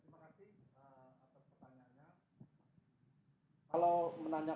terima kasih atas pertanyaannya